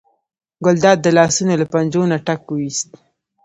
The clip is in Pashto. ګلداد د لاسونو له پنجو نه ټک وویست.